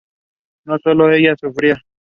No solo ella sufría.